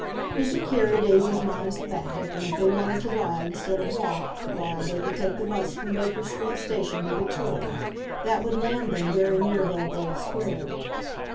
He could carry Daisy's modest bag, and if they wanted to ride instead of walk, why, they could take the bus from Baker Street Station to Victoria—that would land them very near Belgrave Square.